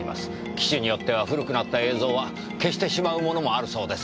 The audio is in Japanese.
機種によっては古くなった映像は消してしまうものもあるそうですから。